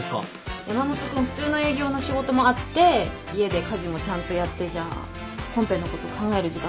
山本君普通の営業の仕事もあって家で家事もちゃんとやってじゃコンペのこと考える時間ないでしょ？